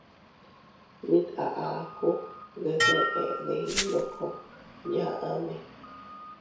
Mit a akuu de deʼe diin ndoko yaʼme.